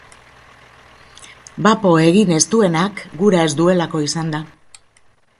Bapo egin ez duenak, gura ez duelako izan da.